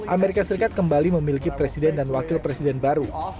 amerika serikat kembali memiliki presiden dan wakil presiden baru